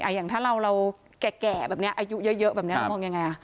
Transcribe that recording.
อย่างถ้าเราแก่แบบนี้อายุเยอะแบบนี้เรามองยังไง